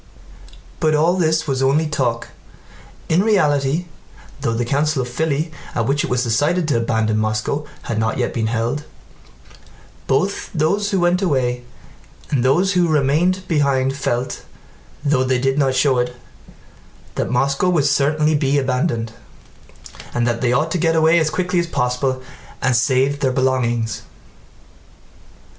But all this was only talk; in reality (though the Council of Filí, at which it was decided to abandon Moscow, had not yet been held) both those who went away and those who remained behind felt, though they did not show it, that Moscow would certainly be abandoned, and that they ought to get away as quickly as possible and save their belongings.